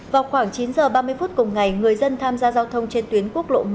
vào khoảng chín h ba mươi phút cùng ngày người dân tham gia giao thông trên tuyến quốc lộ một